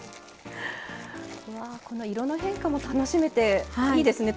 わこの色の変化も楽しめていいですね